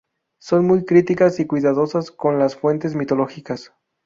Son muy críticas y cuidadosas con las fuentes mitológicas.